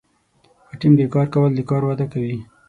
په ټیم کې کار کول د کار وده کوي.